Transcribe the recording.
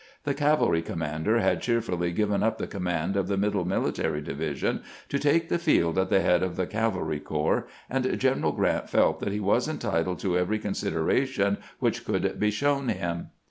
The cavalry commander had cheerfully given up the command of the Middle Military Division to take the field at the head of the cavalry corps, and General Grant felt that he was entitled to every consideration which could be shown him.